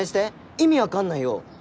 意味分かんないよ。